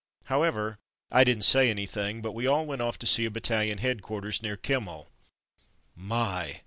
However, I didn't say anything; but we all went off to see a battalion headquarters near Kemmel. My!